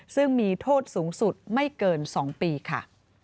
ซึ่งมีโทษสูงสุดไม่เกิน๒ปีค่ะ